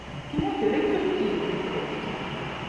Güne göre kürk giyinmek gerek.